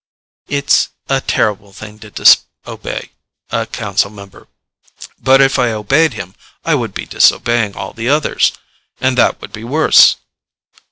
It's a terrible thing to disobey a council member. But if I obeyed him, I would be disobeying all the others. And that would be worse.